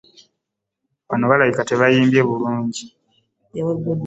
Wano balabika tebaayimbye bulungi.